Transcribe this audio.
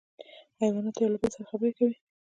حیوانات له یو بل سره خبرې کوي